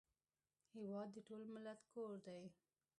هېواد د ټول ملت کور دی